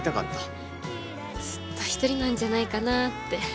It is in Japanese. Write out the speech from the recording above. ずっとひとりなんじゃないかなって。